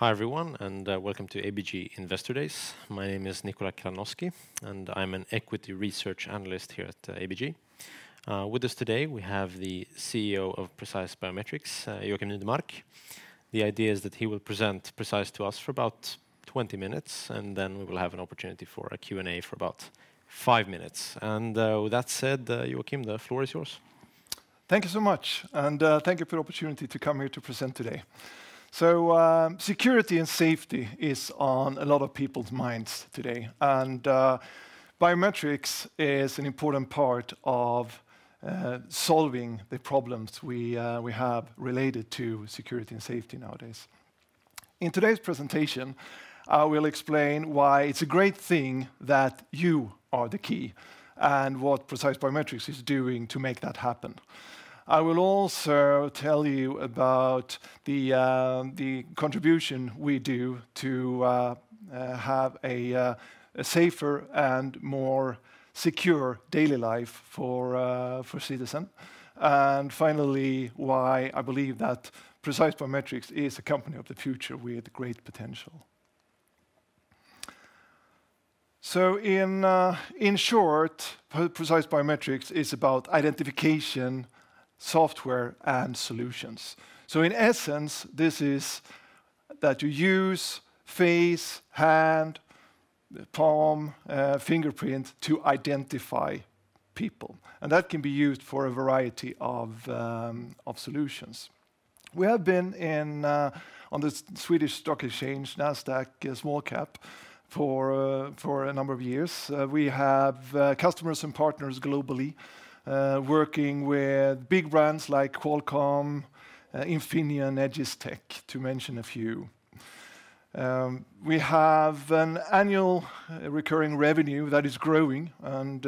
Hi, everyone, and welcome to ABG Investor Days. My name is Nikola Kalanoski, and I'm an equity research analyst here at ABG. With us today, we have the CEO of Precise Biometrics, Joakim Nydemark. The idea is that he will present Precise to us for about 20 minutes, and then we will have an opportunity for a Q&A for about 5 minutes. And with that said, Joakim, the floor is yours. Thank you so much, and thank you for the opportunity to come here to present today. So, security and safety is on a lot of people's minds today, and biometrics is an important part of solving the problems we have related to security and safety nowadays. In today's presentation, I will explain why it's a great thing that you are the key, and what Precise Biometrics is doing to make that happen. I will also tell you about the contribution we do to have a safer and more secure daily life for citizens. And finally, why I believe that Precise Biometrics is a company of the future with great potential. So in short, Precise Biometrics is about identification, software, and solutions. So in essence, this is that you use face, hand, the palm, fingerprint to identify people, and that can be used for a variety of, of solutions. We have been in, on the Swedish Stock Exchange, Nasdaq Stockholm, for, for a number of years. We have, customers and partners globally, working with big brands like Qualcomm, Infineon, and Egis Tech, to mention a few. We have an annual recurring revenue that is growing, and,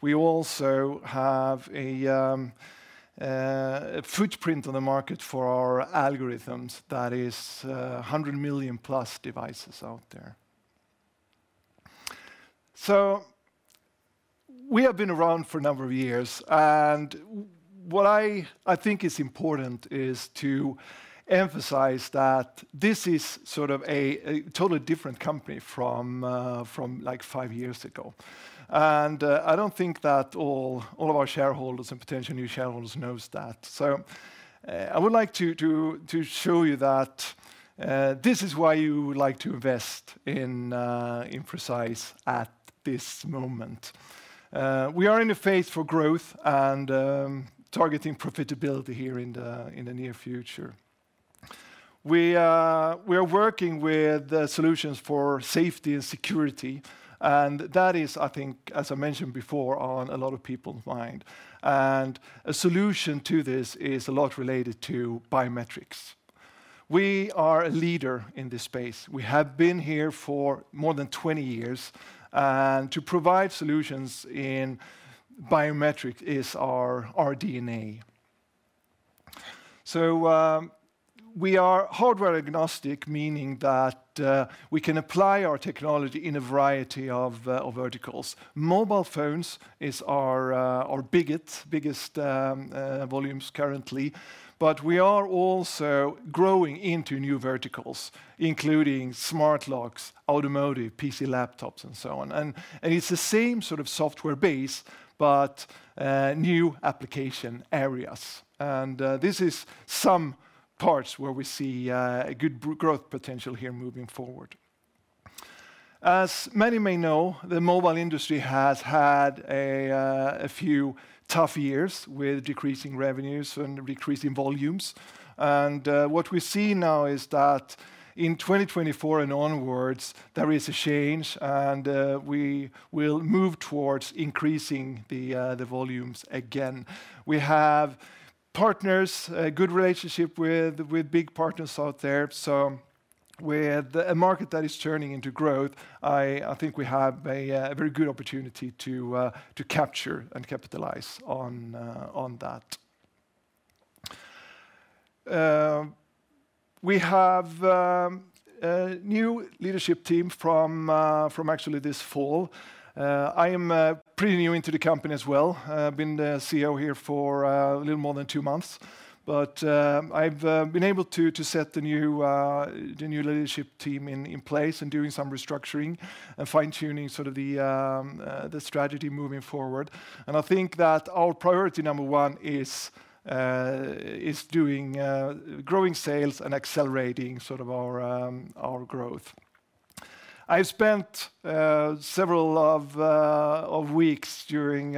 we also have a, footprint on the market for our algorithms that is, 100 million+ devices out there. So we have been around for a number of years, and what I think is important is to emphasize that this is sort of a, a totally different company from, from, like, five years ago. I don't think that all of our shareholders and potential new shareholders knows that. So, I would like to show you that this is why you would like to invest in Precise at this moment. We are in a phase for growth and targeting profitability here in the near future. We are working with solutions for safety and security, and that is, I think, as I mentioned before, on a lot of people's mind. A solution to this is a lot related to biometrics. We are a leader in this space. We have been here for more than 20 years, and to provide solutions in biometrics is our DNA. So, we are hardware agnostic, meaning that we can apply our technology in a variety of verticals. Mobile phones is our biggest volumes currently, but we are also growing into new verticals, including smart locks, automotive, PC, laptops, and so on. It's the same sort of software base, but new application areas. This is some parts where we see a good growth potential here moving forward. As many may know, the mobile industry has had a few tough years with decreasing revenues and decreasing volumes. What we see now is that in 2024 and onwards, there is a change, and we will move towards increasing the volumes again. We have partners, a good relationship with, with big partners out there, so with a market that is turning into growth, I think we have a very good opportunity to capture and capitalize on that. We have a new leadership team from actually this fall. I am pretty new into the company as well. I've been the CEO here for a little more than two months. But I've been able to set the new leadership team in place and doing some restructuring and fine-tuning sort of the strategy moving forward. And I think that our priority number one is doing growing sales and accelerating sort of our growth. I spent several weeks during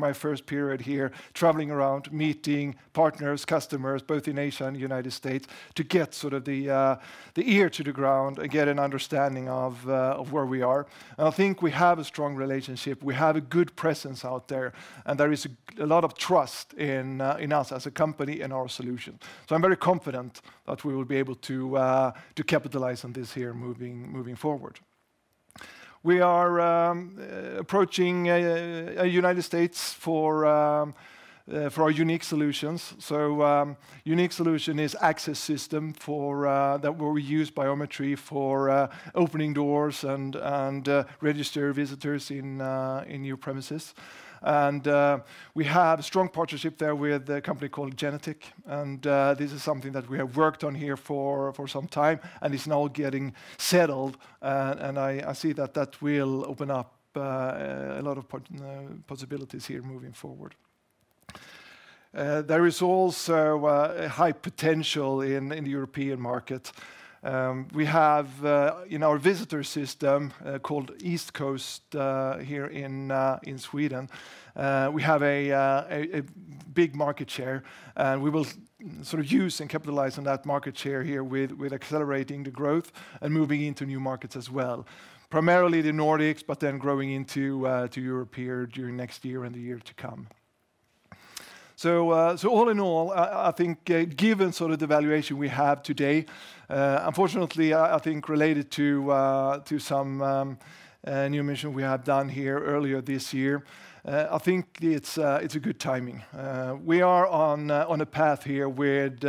my first period here, traveling around, meeting partners, customers, both in Asia and United States, to get sort of the ear to the ground and get an understanding of where we are. I think we have a strong relationship, we have a good presence out there, and there is a lot of trust in us as a company and our solution. I'm very confident that we will be able to capitalize on this here moving forward. We are approaching a United States for our YOUNiQ solutions. So, YOUNiQ solution is access system for that where we use biometrics for opening doors and register visitors in your premises. We have a strong partnership there with a company called Genetec, and this is something that we have worked on here for some time, and it's now getting settled, and I see that that will open up a lot of possibilities here moving forward. There is also a high potential in the European market. We have in our visitor system called EastCoast here in Sweden, we have a big market share, and we will sort of use and capitalize on that market share here with accelerating the growth and moving into new markets as well. Primarily the Nordics, but then growing into Europe here during next year and the year to come. So, all in all, I think, given sort of the valuation we have today, unfortunately, I think related to some new emission we have done here earlier this year, I think it's a good timing. We are on a path here with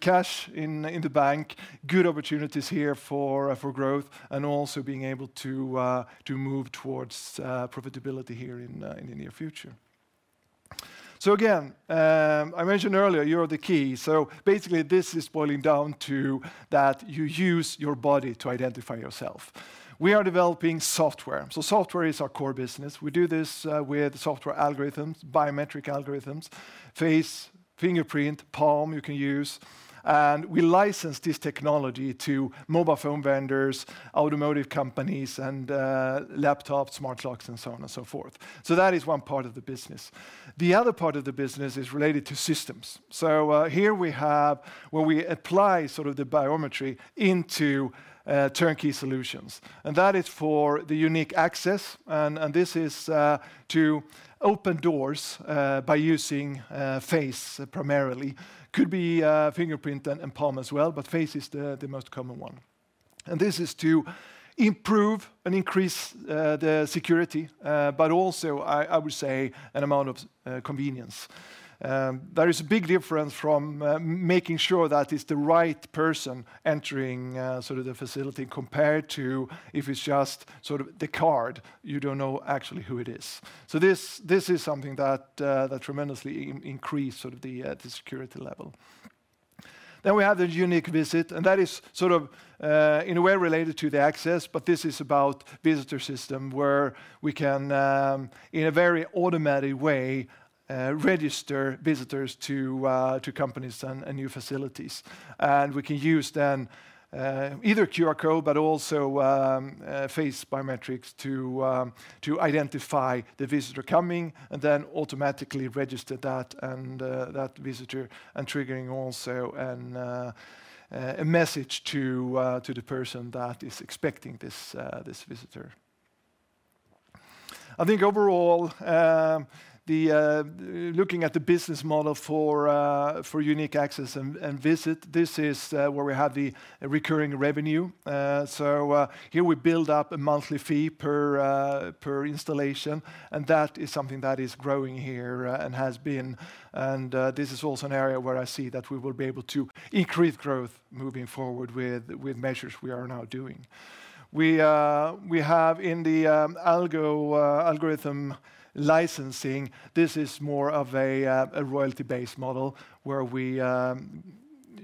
cash in the bank, good opportunities here for growth, and also being able to move towards profitability here in the near future. So again, I mentioned earlier, you are the key. So basically, this is boiling down to that you use your body to identify yourself. We are developing software, so software is our core business. We do this with software algorithms, biometric algorithms, face, fingerprint, palm you can use, and we license this technology to mobile phone vendors, automotive companies, and laptops, smart locks, and so on and so forth. So that is one part of the business. The other part of the business is related to systems. So here we have where we apply sort of the biometrics into turnkey solutions, and that is for the YOUNiQ access, and and this is to open doors by using face primarily. Could be fingerprint and and palm as well, but face is the most common one. And this is to improve and increase the security, but also, I, I would say, an amount of convenience. There is a big difference from making sure that it's the right person entering sort of the facility, compared to if it's just sort of the card, you don't know actually who it is. So this is something that tremendously increases sort of the security level. Then we have YOUNiQ Visit, and that is sort of in a way related to YOUNiQ Access, but this is about visitor system, where we can in a very automatic way register visitors to companies and new facilities. And we can use then either QR code, but also face biometrics to identify the visitor coming, and then automatically register that visitor, and triggering also a message to the person that is expecting this visitor. I think overall, looking at the business model for YOUNiQ Access and YOUNiQ Visit, this is where we have the recurring revenue. So, here we build up a monthly fee per installation, and that is something that is growing here and has been, and this is also an area where I see that we will be able to increase growth moving forward with measures we are now doing. We have in the algorithm licensing, this is more of a royalty-based model, where we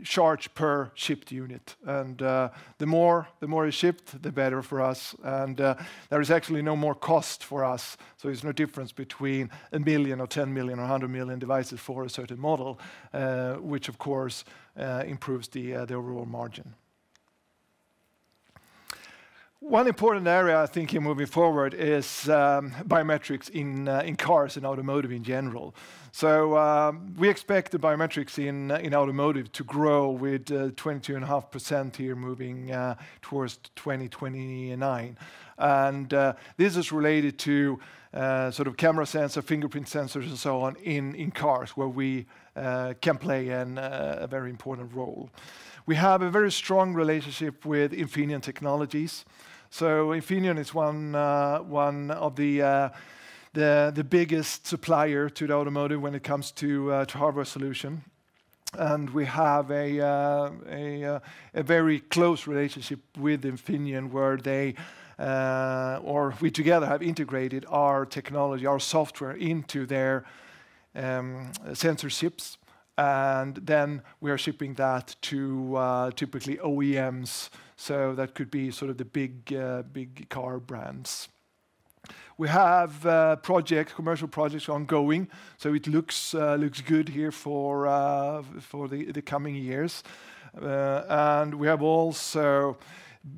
charge per shipped unit. The more, the more we shipped, the better for us, and there is actually no more cost for us, so there's no difference between 1 million or 10 million or 100 million devices for a certain model, which of course improves the overall margin. One important area, I think, in moving forward is biometrics in cars and automotive in general. We expect the biometrics in automotive to grow with 22.5% here moving towards 2029. This is related to sort of camera sensor, fingerprint sensors, and so on, in cars, where we can play a very important role. We have a very strong relationship with Infineon Technologies. So Infineon is one of the biggest supplier to the automotive when it comes to hardware solution. And we have a very close relationship with Infineon, where they or we together have integrated our technology, our software into their sensor chips, and then we are shipping that to typically OEMs, so that could be sort of the big big car brands. We have projects, commercial projects ongoing, so it looks looks good here for the coming years. And we have also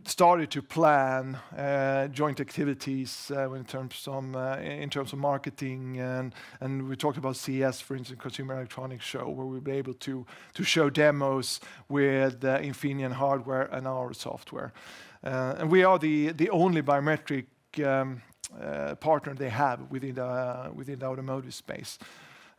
started to plan joint activities in terms of some in terms of marketing, and we talked about CES, for instance, Consumer Electronics Show, where we'll be able to show demos with the Infineon hardware and our software. And we are the only biometric partner they have within the automotive space.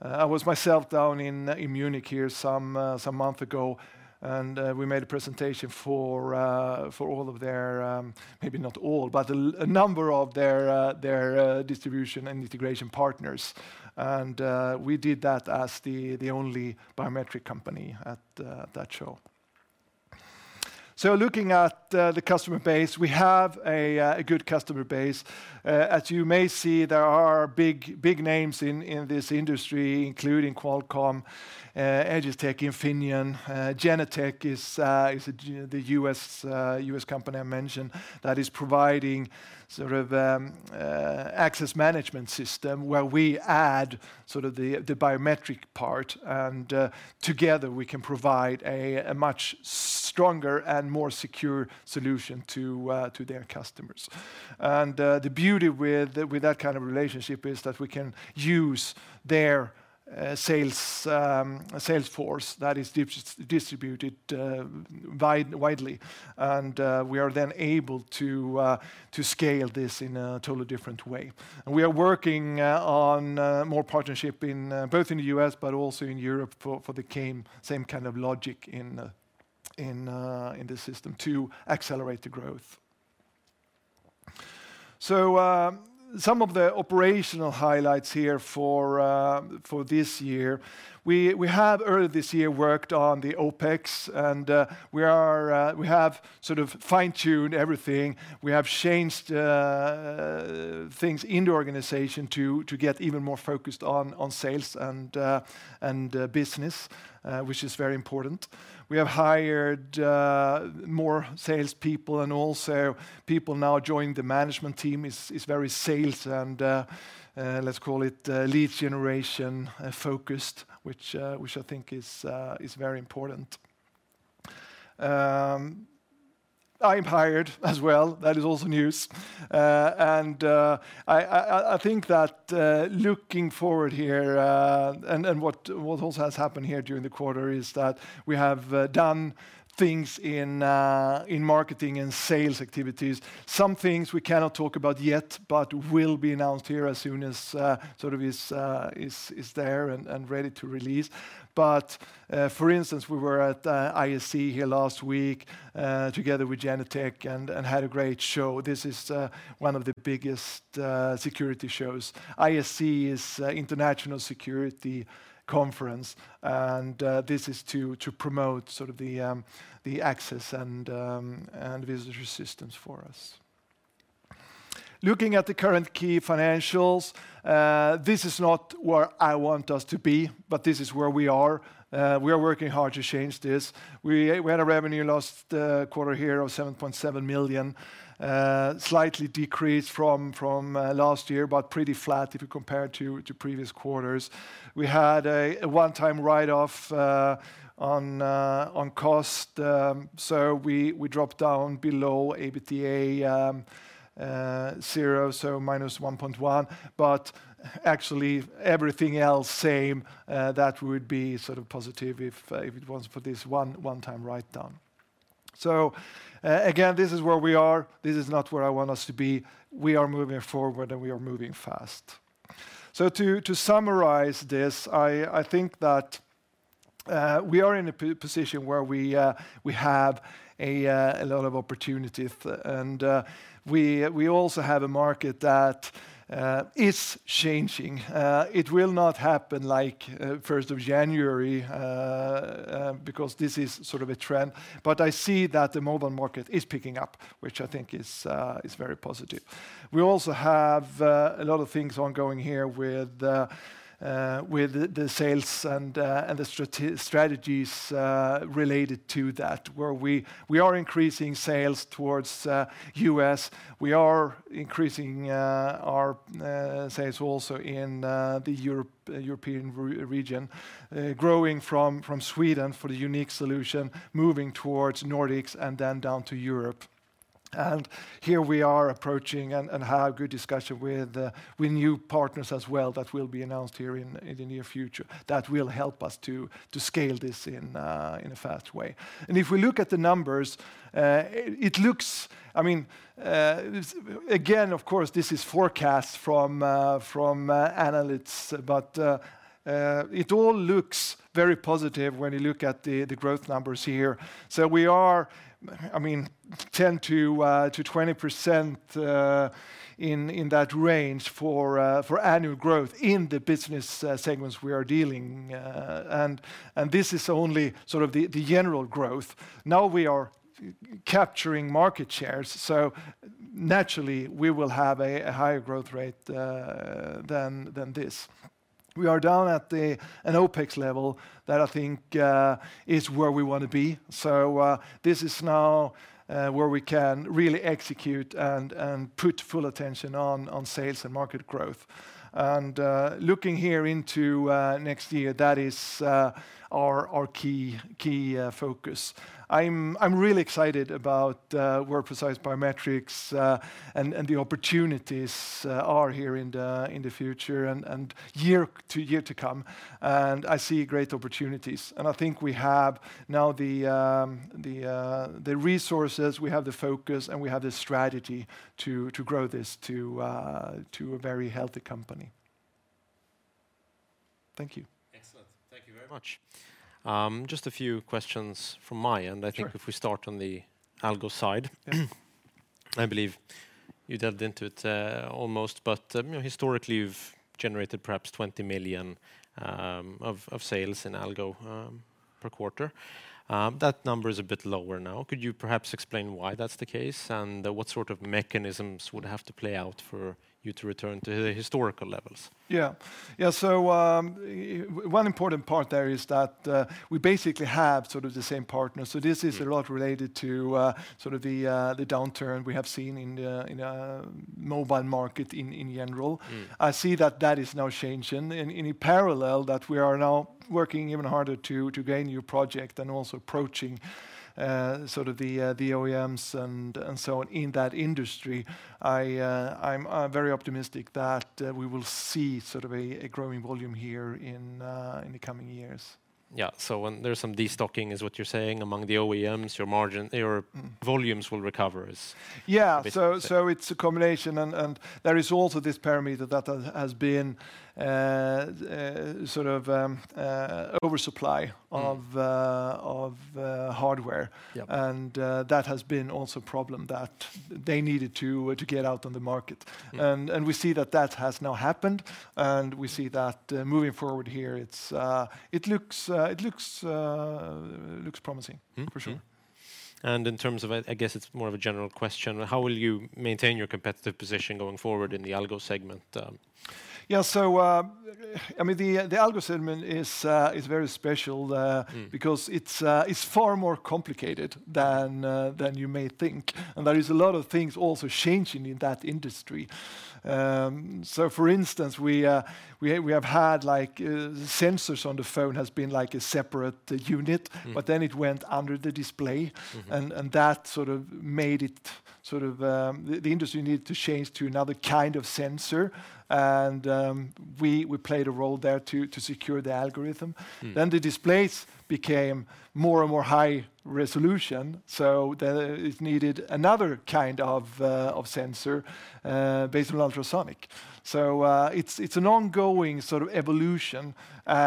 I was myself down in Munich here some month ago, and we made a presentation for all of their, maybe not all, but a number of their distribution and integration partners. And we did that as the only biometric company at that show. So looking at the customer base, we have a good customer base. As you may see, there are big names in this industry, including Qualcomm-... Egis Tech, Infineon, Genetec is the U.S. company I mentioned, that is providing sort of access management system, where we add sort of the biometric part, and together we can provide a much stronger and more secure solution to their customers. And the beauty with that kind of relationship is that we can use their sales force that is distributed widely. And we are then able to scale this in a totally different way. And we are working on more partnership in both in the U.S., but also in Europe for the same kind of logic in the system to accelerate the growth. So, some of the operational highlights here for this year. We have earlier this year worked on the OpEx, and we are, we have sort of fine-tuned everything. We have changed things in the organization to get even more focused on sales and business, which is very important. We have hired more salespeople, and also people now joining the management team is very sales and let's call it lead generation-focused, which I think is very important. I'm hired as well. That is also news. And I think that looking forward here, and what also has happened here during the quarter is that we have done things in marketing and sales activities. Some things we cannot talk about yet, but will be announced here as soon as sort of is there and ready to release. But, for instance, we were at ISC here last week, together with Genetec, and had a great show. This is one of the biggest security shows. ISC is International Security Conference, and this is to promote sort of the access and visitor systems for us. Looking at the current key financials, this is not where I want us to be, but this is where we are. We are working hard to change this. We had a revenue last quarter here of 7.7 million, slightly decreased from last year, but pretty flat if you compare it to previous quarters. We had a one-time write-off on cost, so we dropped down below EBITDA zero, so -1.1. But actually, everything else same, that would be sort of positive if it wasn't for this one-time write-down. So, again, this is where we are. This is not where I want us to be. We are moving forward, and we are moving fast. So to summarize this, I think that we are in a position where we have a lot of opportunities, and we also have a market that is changing. It will not happen, like, first of January, because this is sort of a trend, but I see that the mobile market is picking up, which I think is very positive. We also have a lot of things ongoing here with the sales and the strategies related to that, where we are increasing sales towards U.S. We are increasing our sales also in the European region, growing from Sweden for the YOUNiQ solution, moving towards Nordics and then down to Europe. And here we are approaching and have good discussion with new partners as well, that will be announced here in the near future, that will help us to scale this in a fast way. If we look at the numbers, it looks... I mean, again, of course, this is forecast from, from, analysts, but, it all looks very positive when you look at the, the growth numbers here. So we are, I mean, 10%-20%, in, in that range for, for annual growth in the business, segments we are dealing. And, and this is only sort of the, the general growth. Now, we are capturing market shares, so naturally, we will have a higher growth rate, than, than this. We are down at the, an OpEx level that I think, is where we want to be. So, this is now, where we can really execute and, and put full attention on, on sales and market growth. Looking here into next year, that is our key focus. I'm really excited about Precise Biometrics, and the opportunities are here in the future and years to come, and I see great opportunities. I think we have now the resources, we have the focus, and we have the strategy to grow this to a very healthy company. Thank you. Excellent. Thank you very much. Just a few questions from my end. Sure. I think if we start on the Algo side. I believe you delved into it, almost, but, you know, historically, you've generated perhaps 20 million of sales in Algo per quarter. That number is a bit lower now. Could you perhaps explain why that's the case, and, what sort of mechanisms would have to play out for you to return to the historical levels? Yeah. Yeah, so, one important part there is that we basically have sort of the same partner. Mm. This is a lot related to sort of the downturn we have seen in the mobile market in general. Mm. I see that that is now changing, and in parallel, that we are now working even harder to gain new project and also approaching sort of the OEMs and so on in that industry. I'm very optimistic that we will see sort of a growing volume here in the coming years. Yeah. So when there's some de-stocking, is what you're saying, among the OEMs, your margin, your- Mm... volumes will recover. Yeah -a bit- So, it's a combination, and there is also this parameter that has been sort of oversupply of- Mm... of hardware. Yeah. That has been also a problem that they needed to get out on the market. Yeah. And we see that that has now happened, and we see that moving forward here, it looks promising. Mm, mm... for sure. In terms of, I guess it's more of a general question: How will you maintain your competitive position going forward in the Algo segment? Yeah. So, I mean, the Algo segment is very special. Mm... because it's far more complicated than you may think. There is a lot of things also changing in that industry. For instance, we have had like, sensors on the phone has been like a separate unit. Mm... but then it went under the display. Mm-hmm. And that sort of made it sort of the industry needed to change to another kind of sensor, and we played a role there to secure the algorithm. Mm. Then the displays became more and more high resolution, so then it needed another kind of, of sensor, based on ultrasonic. So, it's an ongoing sort of evolution,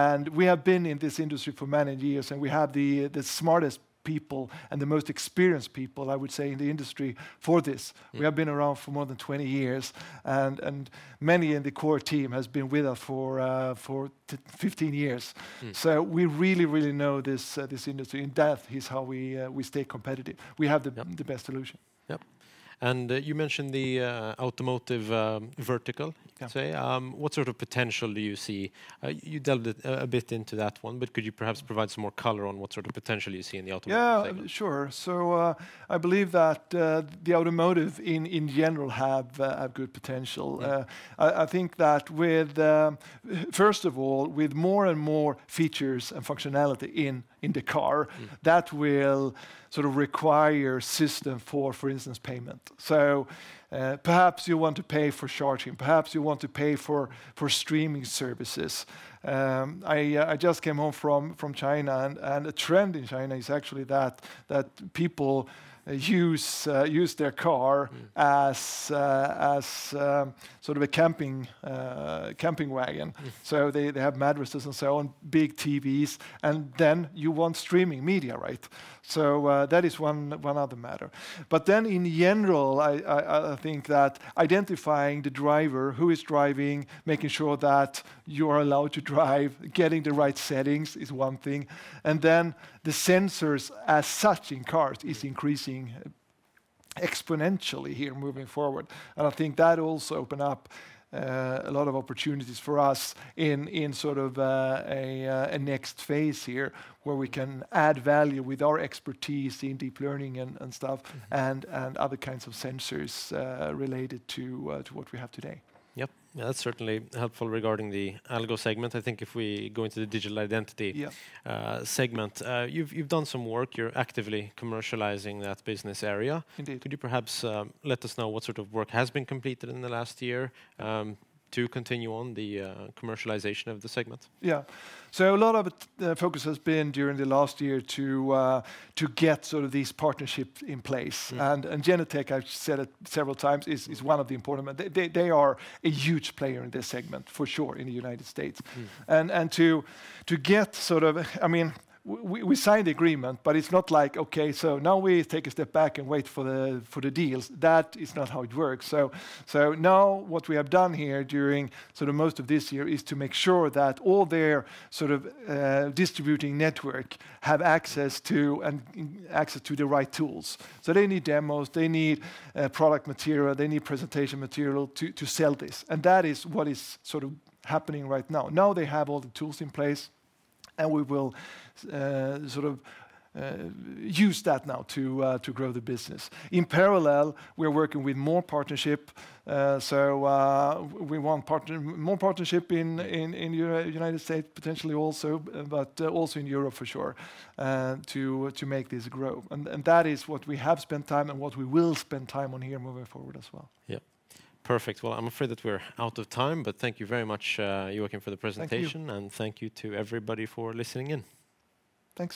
and we have been in this industry for many years, and we have the smartest people and the most experienced people, I would say, in the industry for this. Yeah. We have been around for more than 20 years, and many in the core team has been with us for 15 years. Mm. So we really, really know this, this industry in depth, is how we, we stay competitive. We have the- Yeah... the best solution. Yep. And you mentioned the automotive vertical- Yeah... today. What sort of potential do you see? You delved it a bit into that one, but could you perhaps provide some more color on what sort of potential you see in the automotive segment? Yeah, sure. So, I believe that the automotive in general have a good potential. Mm. I think that with, first of all, with more and more features and functionality in the car- Mm... that will sort of require system for instance, payment. So, perhaps you want to pay for charging, perhaps you want to pay for streaming services. I just came home from China, and a trend in China is actually that people use their car- Mm... as sort of a camping wagon. Mm. So they have mattresses and so on, big TVs, and then you want streaming media, right? So that is one other matter. But then in general, I think that identifying the driver, who is driving, making sure that you are allowed to drive, getting the right settings is one thing, and then the sensors as such in cars is increasing exponentially here moving forward. And I think that also open up a lot of opportunities for us in sort of a next phase here, where we can add value with our expertise in deep learning and stuff- Mm... and other kinds of sensors related to what we have today. Yep. Yeah, that's certainly helpful regarding the Algo segment. I think if we go into the digital identity- Yeah... segment, you've done some work, you're actively commercializing that business area. Indeed. Could you perhaps let us know what sort of work has been completed in the last year to continue on the commercialization of the segment? Yeah. So a lot of it, the focus has been, during the last year, to to get sort of these partnerships in place. Yeah. Genetec, I've said it several times, is one of the important, but they are a huge player in this segment, for sure, in the United States. Mm. To get sort of... I mean, we signed the agreement, but it's not like, "Okay, so now we take a step back and wait for the deals." That is not how it works. So now, what we have done here during sort of most of this year, is to make sure that all their sort of distributing network have access to and access to the right tools. So they need demos, they need product material, they need presentation material to sell this, and that is what is sort of happening right now. Now, they have all the tools in place, and we will sort of use that now to grow the business. In parallel, we are working with more partnership. We want more partnership in United States potentially also, but also in Europe, for sure, to make this grow. That is what we have spent time and what we will spend time on here moving forward as well. Yeah. Perfect. Well, I'm afraid that we're out of time, but thank you very much, Joakim, for the presentation. Thank you. Thank you to everybody for listening in. Thanks!